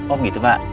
om gitu pak